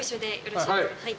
はい。